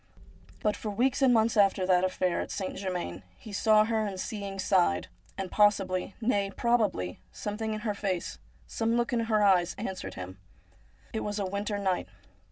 But for weeks and months after that affair at St. Germain he saw her, and seeing sighed. And possibly, nay probably, something in her face, some look in her eyes, answered him. It was a winter night.